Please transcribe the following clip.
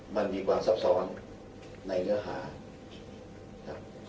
มันมีความซับซ้อนในเนื้อหาครับ